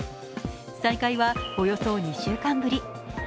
再開はおよそ２週間ぶり。